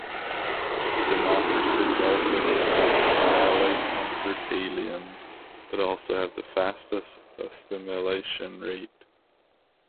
Democracies also cannot annihilate conquered aliens, but also have the fastest assimilation rate.